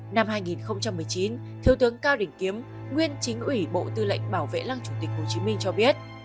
năm hai nghìn một mươi chín thiếu tướng cao đình kiếm nguyên chính ủy bộ tư lệnh bảo vệ lăng chủ tịch hồ chí minh cho biết